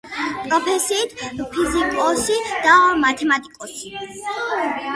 პროფესიით ფიზიკოსი და მათემატიკოსი.